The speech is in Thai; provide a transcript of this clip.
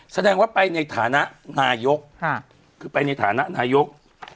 แสดงว่าไปในฐานะนายกคือไปในฐานะนายก